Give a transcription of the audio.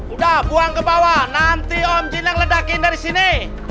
udah buang ke bawah nanti om jin yang ledakin dari sini